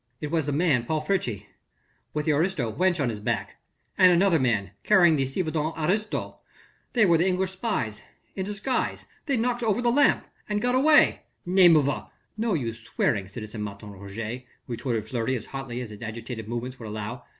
"It was the man Paul Friche ... with the aristo wench on his back ... and another man carrying the ci devant aristo ... they were the English spies ... in disguise ... they knocked over the lamp ... and got away...." "Name of a...." "No use swearing, citizen Martin Roget," retorted Fleury as hotly as his agitated movements would allow.